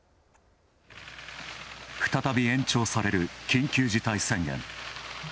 再び延長される緊急事態宣言。